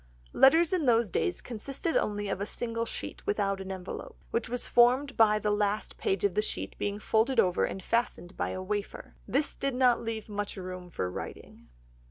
Letters in those days consisted only of a single sheet without an envelope, which was formed by the last page of the sheet itself being folded over and fastened by a wafer. This did not leave much room for writing.